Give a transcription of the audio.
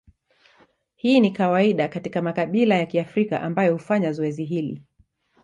Hii ni kawaida kati ya makabila ya Kiafrika ambayo hufanya zoezi hili.